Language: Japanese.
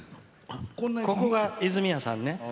ここが泉谷さん